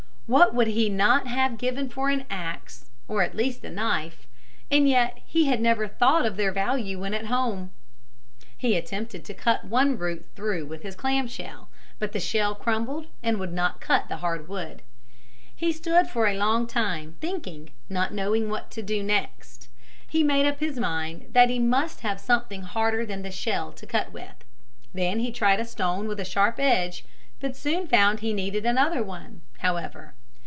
What would he not have given for an axe, or at least a knife. And yet he had never thought of their value when at home. He attempted to cut one root through with his clam shell, but the shell crumbled and would not cut the hard wood. He stood for a long time thinking, not knowing what next to do. He made up his mind that he must have something harder than the shell to cut with. Then he tried a stone with a sharp edge, but soon found he needed another one, however.